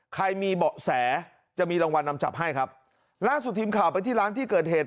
ใครมีเบาะแสจะมีรางวัลนำจับให้ครับล่าสุดทีมข่าวไปที่ร้านที่เกิดเหตุ